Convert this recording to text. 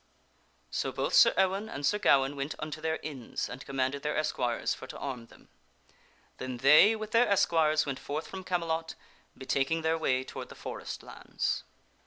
So both Sir Ewaine and Sir Gawaine went unto their inns and com manded their esquires for to arm them. Then they, with their sir Gawaine esquires, went forth from Camelot, betaking their way toward and Sir the forest lands.